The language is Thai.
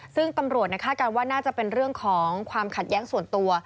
ซึ่งตำรวจคาดการณ์ว่าน่าจะเป็นเรื่องของความขัดแย้งส่วนตัว